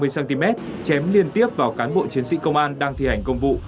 năm mươi cm chém liên tiếp vào cán bộ chiến sĩ công an đang thi hành công vụ